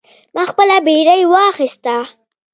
ما خپله بیړۍ واخیسته.